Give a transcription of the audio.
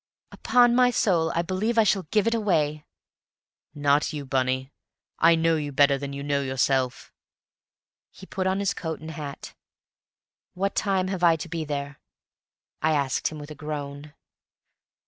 "Upon my soul I believe I shall give it away!" "Not you, Bunny. I know you better than you know yourself." He put on his coat and his hat. "What time have I to be there?" I asked him, with a groan.